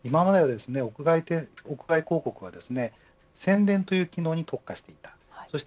今まで屋外広告は宣伝という機能に特化していました。